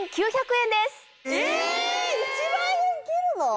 １万円切るの⁉